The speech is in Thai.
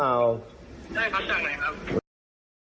ได้ครับจากไหนครับ